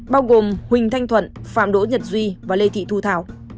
bao gồm huỳnh thanh thuận phạm đỗ nhật duy và lê thị thu thảo